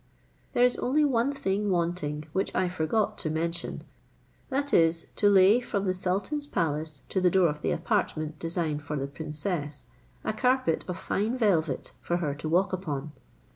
There is only one thing wanting which I forgot to mention; that is, to lay from the sultan's palace to the door of the apartment designed for the princess, a carpet of fine velvet for her to walk upon."